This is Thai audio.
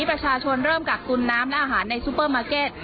ประชาชนเริ่มกักตุนน้ำและอาหารในซูเปอร์มาร์เก็ต